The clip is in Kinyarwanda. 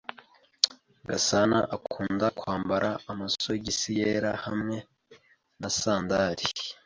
Gasana akunda kwambara amasogisi yera hamwe na sandali.